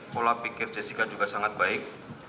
pola pikir jessica juga sangat baik